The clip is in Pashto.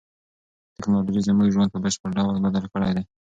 تکنالوژي زموږ ژوند په بشپړ ډول بدل کړی دی.